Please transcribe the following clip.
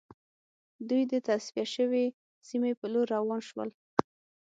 دوی د تصفیه شوې سیمې په لور روان شول